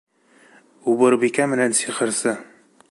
— Убырбикә менән Сихырсы!